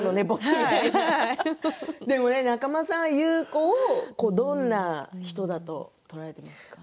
笑い声仲間さんは優子をどんな人だと捉えていますか？